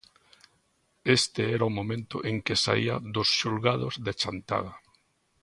Este era o momento en que saia dos xulgados de Chantada.